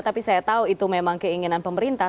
tapi saya tahu itu memang keinginan pemerintah